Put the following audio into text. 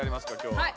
はい！